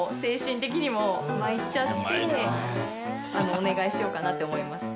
お願いしようかなって思いました。